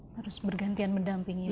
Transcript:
harus bergantian mendampingi istri